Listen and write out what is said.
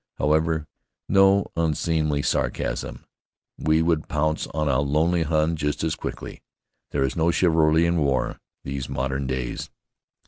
However, no unseemly sarcasm. We would pounce on a lonely Hun just as quickly. There is no chivalry in war in these modern days.